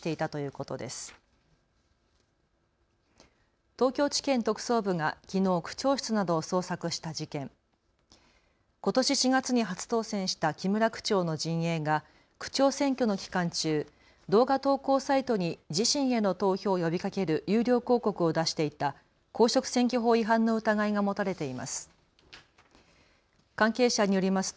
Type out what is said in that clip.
ことし４月に初当選した木村区長の陣営が区長選挙の期間中、動画投稿サイトに自身への投票を呼びかける有料広告を出していた公職選挙法違反の疑いが持たれています。